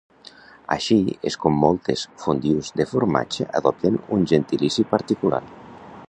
Així és com moltes fondues de formatge adopten un gentilici particular.